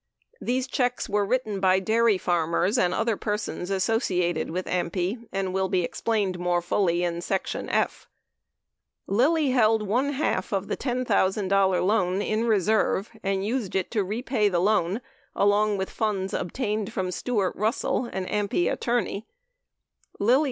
These checks were written by dairy farmers and other persons associated with AMPI, and will be explained more fully in Section F. Lilly held one half of the $10,000 loan in reserve, and used it to repay the loan along with funds obtained from Stuart Russell, an 19 Lilly, 14 Hearings 6166.